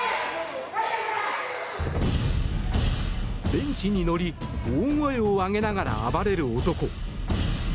ベンチに乗り大声を上げながら暴れる男。